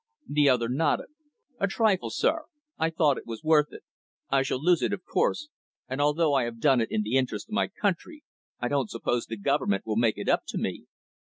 The other nodded. "A trifle, sir. I thought it was worth it. I shall lose it, of course, and although I have done it in the interests of my country, I don't suppose the Government will make it up to me."